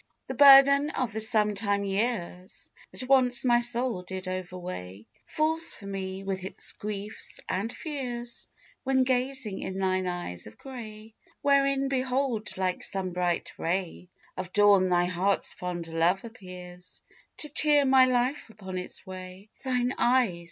_ The burden of the sometime years, That once my soul did overweigh, Falls from me, with its griefs and fears, When gazing in thine eyes of gray; Wherein, behold, like some bright ray Of dawn, thy hearts fond love appears, To cheer my life upon its way. Thine eyes!